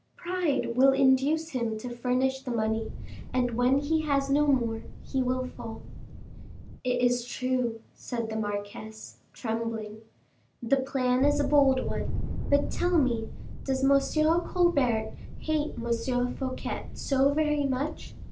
Pride will induce him to furnish the money, and when he has no more, he will fall." "It is true," said the marquise, trembling; "the plan is a bold one; but tell me, does M. Colbert hate M. Fouquet so very much?"